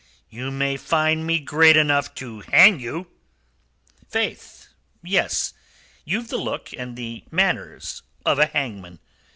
"You may find me great enough to hang you." "Faith, yes. Ye've the look and the manners of a hangman.